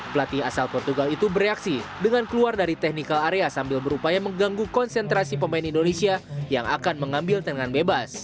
pelatih asal portugal itu bereaksi dengan keluar dari technical area sambil berupaya mengganggu konsentrasi pemain indonesia yang akan mengambil tenangan bebas